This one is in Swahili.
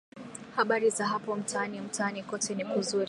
habari za hapo mtaani mtaani kote ni kuzuri